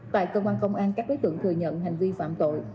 tại công an công an các đối tượng thừa nhận hành vi phạm tội